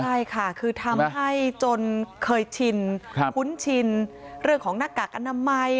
ใช่ค่ะคือทำให้จนเคยชินคุ้นชินเรื่องของหน้ากากอนามัย